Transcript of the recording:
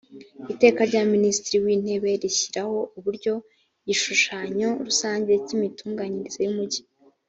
iteka rya minisitiri w’intebe rishyiraho uburyo igishushanyo rusange cy’imitunganyirize y’umujyi